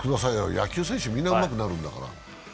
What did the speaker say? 野球選手はみんなうまくなるんだから。